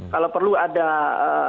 kalau perlu ada penyadapan